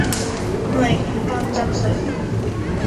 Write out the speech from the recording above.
หน่วยความจำเสริม